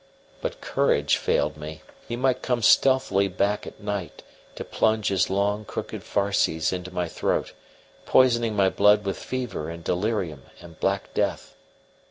But courage failed me. He might come stealthily back at night to plunge his long, crooked farces into my throat, poisoning my blood with fever and delirium and black death.